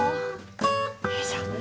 よいしょ。